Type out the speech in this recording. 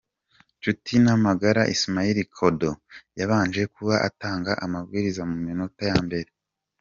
Nshutinamagara Ismail Kodo yabanje kuba atanga amabwiriza mu minota ya mbere.